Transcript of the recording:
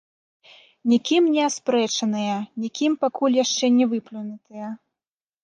Нікім не аспрэчаныя, нікім пакуль яшчэ не выплюнутыя.